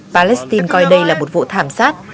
palestine coi đây là một vụ thảm sát